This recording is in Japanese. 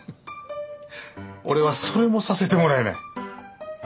俺はそれもさせてもらえない。